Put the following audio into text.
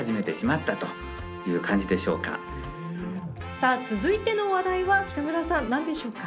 さあ続いての話題は北村さん何でしょうか？